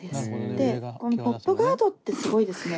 でこのポップガードってすごいですね。